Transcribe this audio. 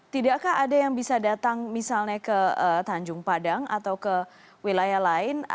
tidakkah ada yang bisa datang misalnya ke tanjung padang atau ke wilayah lain